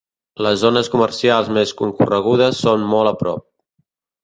Les zones comercials més concorregudes són molt a prop.